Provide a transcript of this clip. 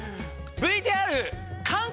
ＶＴＲ。